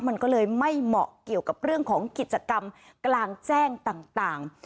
มันก็เลยไม่เหมาะเกี่ยวกับเรื่องของกิจกรรมกลางแจ้งต่าง